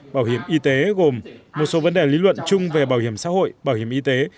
bảo hiểm y tế gồm một số vấn đề lý luận chung về bảo hiểm xã hội bảo hiểm y tế